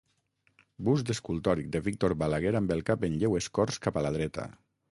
Bust escultòric de Víctor Balaguer amb el cap en lleu escorç cap a la dreta.